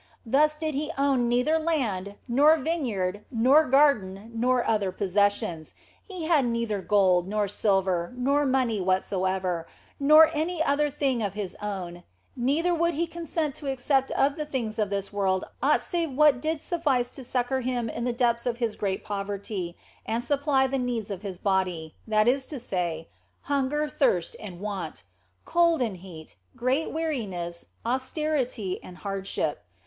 Thus did He own neither land, nor vineyard, nor garden, nor other possessions ; He had neither gold, nor silver, nor money whatsoever, nor any other thing of His own, neither would He consent to accept of the things of this world aught save what did suffice to succour Him in the depths of His great poverty and supply the needs of His body, that is to say, hunger, thirst, and want, cold and heat, great weariness, austerity and hardship.